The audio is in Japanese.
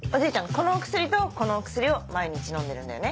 このお薬とこのお薬を毎日飲んでるんだよね？